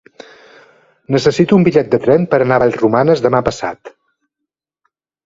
Necessito un bitllet de tren per anar a Vallromanes demà passat.